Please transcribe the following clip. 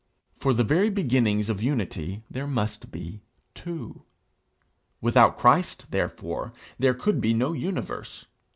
For the very beginnings of unity there must be two. Without Christ, therefore, there could be no universe.